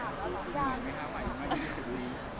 แต่ว่าเราคิดว่าคุณมากมากเลยค่ะ